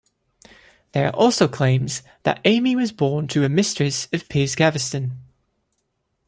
There are also claims that Amy was born to a mistress of Piers Gaveston.